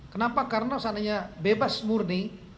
kenapa karena seandainya bebas murni